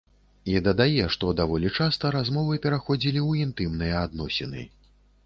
І дадае, што даволі часта размовы пераходзілі ў інтымныя адносіны.